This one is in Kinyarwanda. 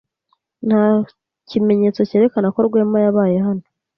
Nta kimenyetso cyerekana ko Rwema yabaye hano.